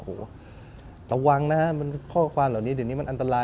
หัวตะวังนะข้อความเหล่านี้เดี๋ยวนี้อันตราย